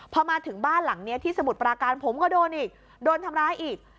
พอมาถึงบ้านหลังนี้ที่สมุทรปราการผมก็โดนอีกโดนทำร้ายอีก